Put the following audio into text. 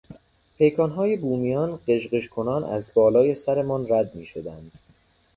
پیکانهای بومیان غژغژ کنان از بالای سرمان رد میشدند.